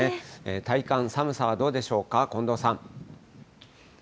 体感、寒さはどうでしょうか、近藤さん。